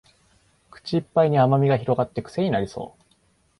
口いっぱいに甘味が広がってクセになりそう